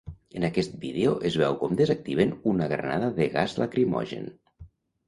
En aquest vídeo es veu com desactiven una granada de gas lacrimogen.